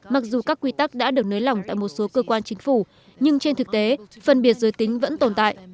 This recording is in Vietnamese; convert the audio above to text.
mặc dù các quy tắc đã được nới lỏng tại một số cơ quan chính phủ nhưng trên thực tế phân biệt giới tính vẫn tồn tại